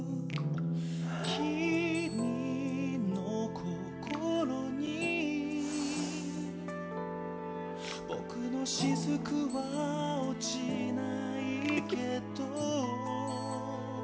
君の心に僕の雫は落ちないけど